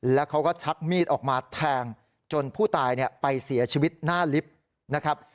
แล้วเขาก็ชักมีดออกมาแทงจนผู้ตายไปเสียชีวิตหน้าลิฟต์นะครับ